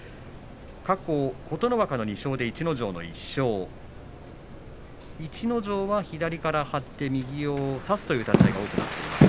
過去、琴ノ若の２勝逸ノ城の１勝逸ノ城は左から張って右に差すという立ち合いが多くなっています。